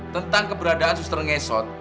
tentang keberadaan suster ngesot